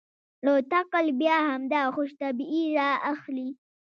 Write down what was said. له تکل بیا همدا خوش طبعي رااخلي.